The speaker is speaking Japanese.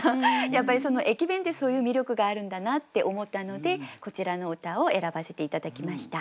やっぱり駅弁ってそういう魅力があるんだなって思ったのでこちらの歌を選ばせて頂きました。